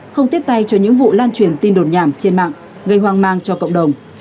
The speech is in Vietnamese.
không tiếp tay cho những vụ lan truyền tin đồn nhảm trên mạng gây hoang mang cho cộng đồng